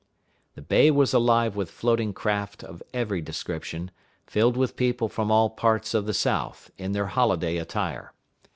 The bay was alive with floating craft of every description, filled with people from all parts of the South, in their holiday attire.